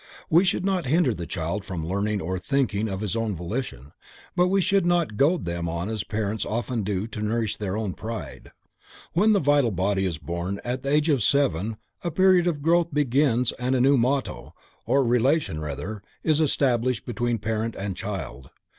We should not hinder the child from learning or thinking of his own volition, but we should not goad them on as parents often do to nourish their own pride. When the vital body is born at the age of seven a period of growth begins and a new motto, or relation rather, is established between parent and child.